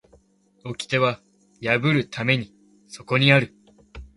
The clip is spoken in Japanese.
掟は破るためにそこにある